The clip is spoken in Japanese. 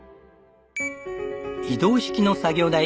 移動式の作業台。